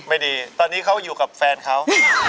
ไม่ดีตอนนี้เขาอยู่กับแฟนเขา